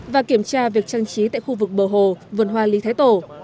và kiểm tra việc trang trí tại khu vực bờ hồ vườn hoa lý thái tổ